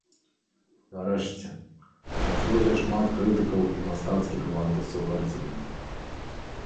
Нарэшце, знайшлося шмат крытыкаў і мастацкіх вартасцяў карціны.